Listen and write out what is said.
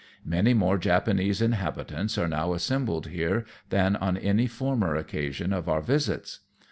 Many more Japanese inhabitants are now assembled here than on any former occasion of our visits.